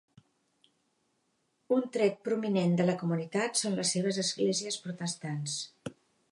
Un tret prominent de la comunitat són les seves esglésies protestants.